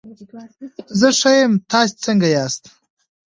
زه ښه یم، تاسو څنګه ياست؟